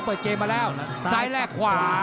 ติดตามยังน้อยกว่า